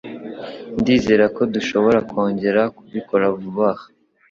Ndizera ko dushobora kongera kubikora vuba aha.